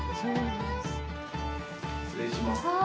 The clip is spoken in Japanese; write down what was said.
失礼します。